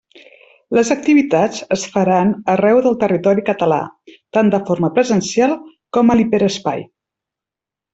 Les activitats es faran arreu del territori català, tant de forma presencial com a l'hiperespai.